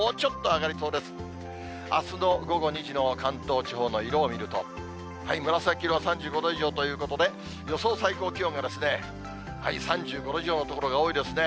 あすの午後２時の関東地方の色を見ると、紫色の３５度以上ということで、予想最高気温が３５度以上の所が多いですね。